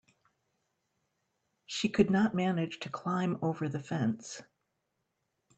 She could not manage to climb over the fence.